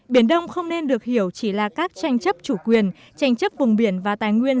biển đông không nên được hiểu chỉ là các tranh chấp chủ quyền tranh chấp vùng biển và tài nguyên